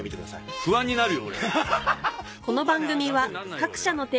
不安になるよ。